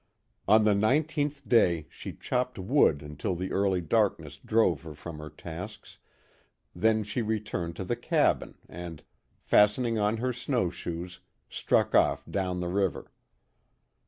On the nineteenth day she chopped wood until the early darkness drove her from her tasks, then she returned to the cabin and, fastening on her snowshoes, struck off down the river.